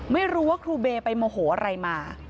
ไม่รู้ว่าครูเบย์ไปโมโหอะไรมา